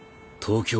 東京！